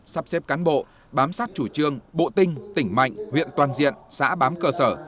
sắp xếp cán bộ bám sát chủ trương bộ tinh tỉnh mạnh huyện toàn diện xã bám cơ sở